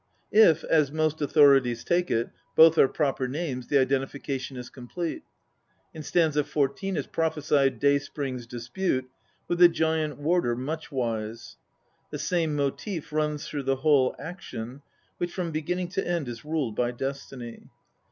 If, as most authorities take it, both are proper names, the identification is complete. In st. 14 is prophesied' Day spring's dispute with the giant warder Much wise. The same motive runs through the whole action, which from beginning to end is ruled by destiny.